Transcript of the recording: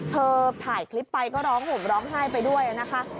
ถ่ายคลิปไปก็ร้องห่มร้องไห้ไปด้วยนะคะ